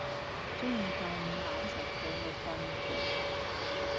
中意到唔攬實佢會瞓唔著